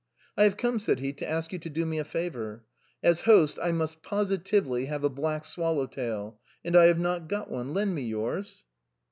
" I have come," said he, "to ask you to do me a favor. As host I must positively have a black swallow tail, and I have not got one ; lend me yours."